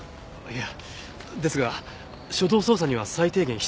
いやですが初動捜査には最低限必要な情報です。